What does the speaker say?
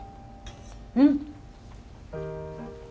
うん。